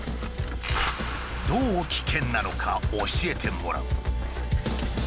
どう危険なのか教えてもらう。